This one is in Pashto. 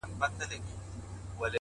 • پلار یې وویل شکوي چي خپل سرونه ,